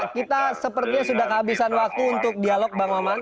kita sepertinya sudah kehabisan waktu untuk dialog bang maman